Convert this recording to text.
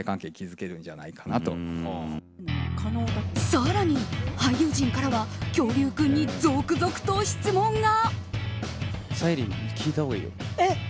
更に、俳優陣からは恐竜くんに続々と質問が。